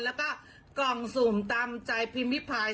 แล้วก็กล่องสุ่มตามใจพิมพิพาย